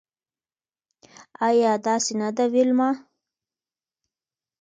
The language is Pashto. ایا داسې نده ویلما